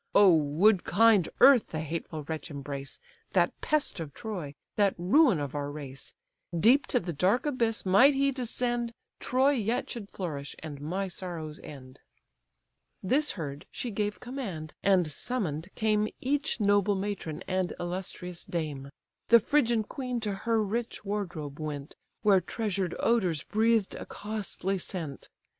Oh, would kind earth the hateful wretch embrace, That pest of Troy, that ruin of our race! Deep to the dark abyss might he descend, Troy yet should flourish, and my sorrows end." This heard, she gave command: and summon'd came Each noble matron and illustrious dame. The Phrygian queen to her rich wardrobe went, Where treasured odours breathed a costly scent.